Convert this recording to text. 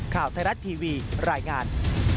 ข่าวไทยรัฐทีวีรายงาน